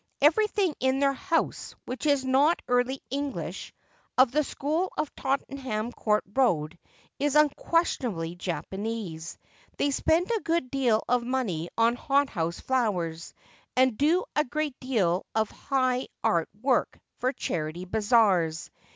Everything in their house which is not early English — of the school of Tottenham Court Eoad — is unquestionably Japanese. They spend a good ■deal of money on hothouse flowers, and do a great deal of high iirt work for charity bazaars.